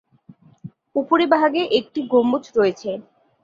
উপরিভাগে একটি গম্বুজ রয়েছে।